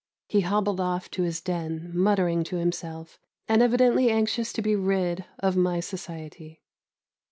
He hobbled off to his den, muttering to himself, and evidently anxious to be rid of my society.